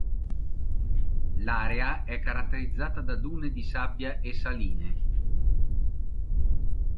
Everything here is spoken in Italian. L'area è caratterizzata da dune di sabbia e saline.